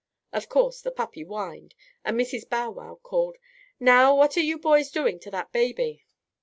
Of course, the puppy whined and Mrs. Bow Wow called: "Now, what are you boys doing to that baby?"